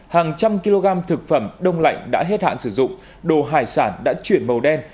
hàng trăm kg thực phẩm đông lạnh đã hết hạn sử dụng đồ hải sản đã chuyển màu đen